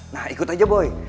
nah ikut aja boy